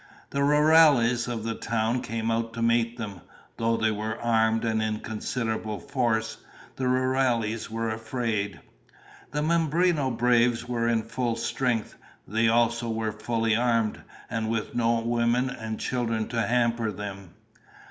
The rurales of the town came out to meet them. Though they were armed and in considerable force, the rurales were afraid. The Mimbreno braves were in full strength. They also were fully armed, and with no women and children to hamper them.